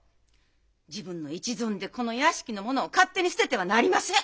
自分の一存でこの屋敷の物を勝手に捨ててはなりません！